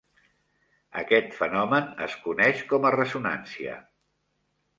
Aquest fenomen es coneix com a ressonància.